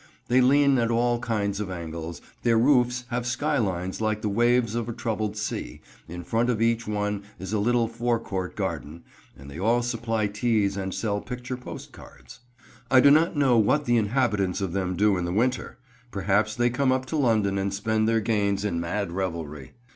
They lean at all kinds of angles, their roofs have skylines like the waves of a troubled sea, in front of each one is a little forecourt garden, and they all supply teas and sell picture postcards. I do not know what the inhabitants of them do in the winter. Perhaps they come up to London and spend their gains in mad revelry.